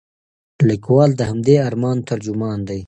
لیکوال د همدې ارمان ترجمان دی.